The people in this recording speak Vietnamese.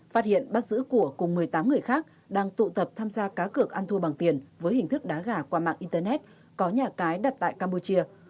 phát hiện bắt giữ của cùng một mươi tám người khác đang tụ tập tham gia cá cược ăn thua bằng tiền với hình thức đá gà qua mạng internet có nhà cái đặt tại campuchia